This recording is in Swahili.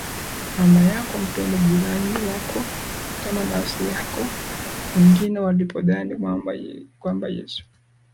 na mama yako na Mpende jirani yako kama nafsi yako Wengine walipodhani kwamba Yesu